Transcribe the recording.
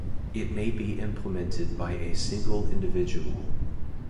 It may be implemented by a single individual.